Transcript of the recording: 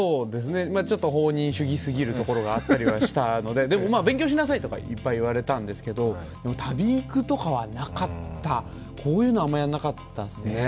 ちょっと放任主義すぎるところはあったりしたのででも勉強しなさいとかいっぱい言われたんですけど旅育とかはなかった、こういうのはあまりやらなかったですね。